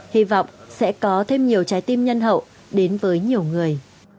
hy vọng sẽ có thêm nhiều trái tim nhân hậu đến với nhiều người